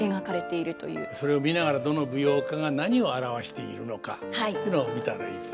それを見ながらどの舞踊家が何を表しているのかというのを見たらいいですね。